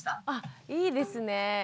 あいいですね。